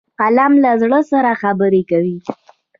قلم له زړه سره خبرې کوي